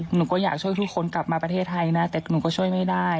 หนูก็อยากช่วยทุกคนกลับมาประเทศไทยนะแต่หนูก็ช่วยไม่ได้